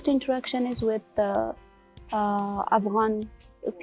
interaksi saya terbaik dengan orang afgan